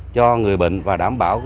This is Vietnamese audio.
cho người bệnh và đảm bảo